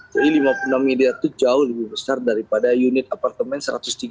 jadi lima puluh enam miliar itu jauh lebih besar daripada unit apartemen satu ratus tiga puluh satu orang